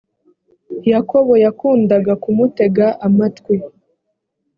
yakobo yakundaga kumutega amatwi